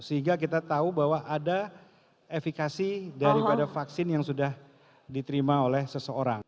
sehingga kita tahu bahwa ada efikasi daripada vaksin yang sudah diterima oleh seseorang